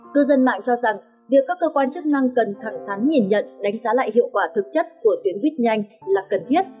cư dân mạng cho rằng việc các cơ quan chức năng cần thẳng thắn nhìn nhận đánh giá lại hiệu quả thực chất của tuyến buýt nhanh là cần thiết